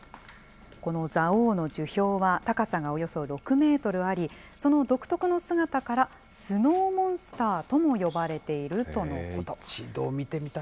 この蔵王の樹氷は高さがおよそ６メートルあり、その独特の姿から、スノーモンスターとも呼ばれているとのこと。